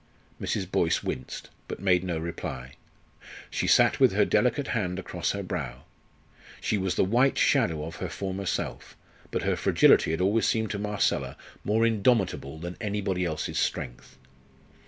Mrs. Boyce winced, but made no reply. She sat with her delicate hand across her brow. She was the white shadow of her former self; but her fragility had always seemed to Marcella more indomitable than anybody else's strength.